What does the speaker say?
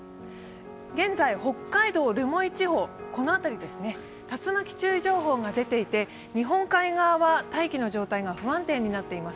現在、北海道留萌地方、竜巻注意情報が出ていて日本海側は大気の状態が不安定になっています。